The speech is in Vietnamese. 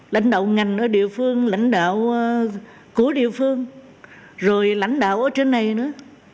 lãnh đạo ngành ở địa phương lãnh đạo của địa phương rồi lãnh đạo ở trên này nữa